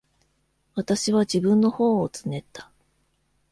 私は自分の頬をつねった。